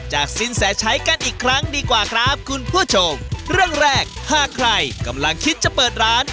สินแสชัยกันอีกครั้งดีกว่าครับคุณผู้ชมเรื่องแรกหากใครกำลังคิดจะเปิดร้าน